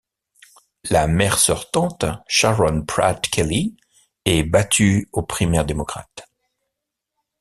La maire sortante, Sharon Pratt Kelly est battue aux primaires démocrate.